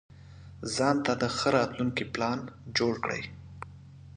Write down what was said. ځانته د ښه راتلونکي پلان جوړ کړئ.